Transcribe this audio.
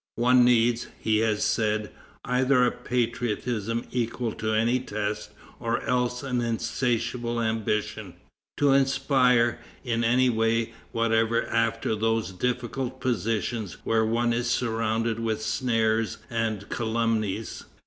"One needs," he has said, "either a patriotism equal to any test, or else an insatiable ambition, to aspire in any way whatever after those difficult positions where one is surrounded with snares and calumnies.